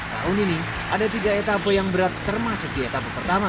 tahun ini ada tiga etapa yang berat termasuk di etapa pertama